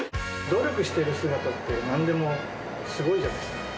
努力している姿ってなんでもすごいじゃないですか。